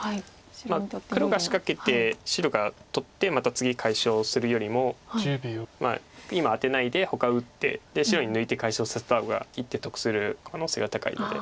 まあ黒が仕掛けて白が取ってまた次解消するよりも今アテないでほか打ってで白に抜いて解消させた方が１手得する可能性が高いので。